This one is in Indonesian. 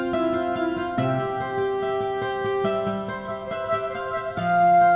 jangan ber além